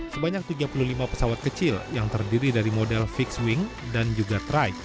sebanyak tiga puluh lima pesawat kecil yang terdiri dari model fixed wing dan juga trike